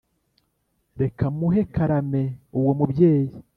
reka muhe karame uwo mubyeyi